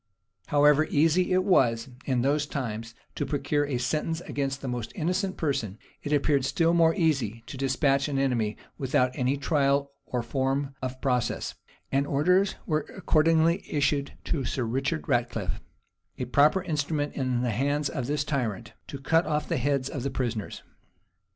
However easy it was, in those times, to procure a sentence against the most innocent person, it appeared still more easy to despatch an enemy without any trial or form of process; and orders were accordingly issued to Sir Richard Ratcliffe, a proper instrument in the hands of this tyrant, to cut off the heads of the prisoners.